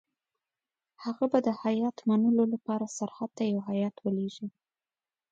هغه به د هیات منلو لپاره سرحد ته یو هیات ولېږي.